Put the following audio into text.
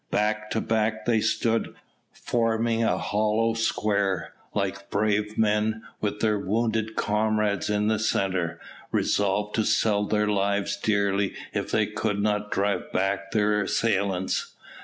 Back to back they stood, forming a hollow square, like brave men, with their wounded comrades in the centre, resolved to sell their lives dearly if they could not drive back their assailants.